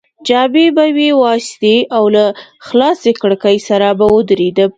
جامې به مې وایستې او له خلاصې کړکۍ سره به ودرېدم.